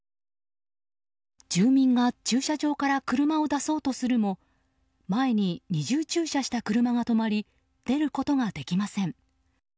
住民が駐車場から車を出そうとするも前に、二重駐車した車が止まり出ることができません。